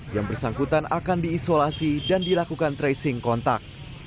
yang bersangkutan akan diisolasi dan dilakukan tracing kontak